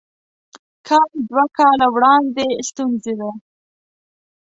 کال دوه کاله وړاندې ستونزې وې.